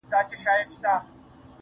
د هغه ږغ د هر چا زړه خپلوي.